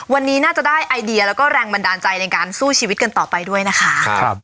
วันนี้น่าจะได้ไอเดียแล้วก็แรงบันดาลใจในการสู้ชีวิตกันต่อไปด้วยนะคะ